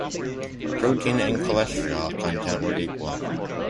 Protein and cholesterol content were equal.